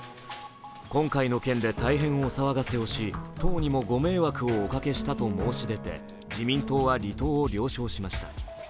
今回の件で大変お騒がせをし党にもご迷惑をおかけしたと申し出て自民党は離党を了承しました。